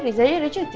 rizanya udah cuti